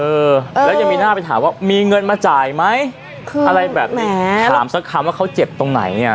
เออแล้วยังมีหน้าไปถามว่ามีเงินมาจ่ายไหมคืออะไรแบบแหมถามสักคำว่าเขาเจ็บตรงไหนอ่ะ